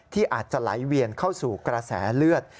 ที่อาจจะไหลเวียนเข้าสู่กระแสเลือด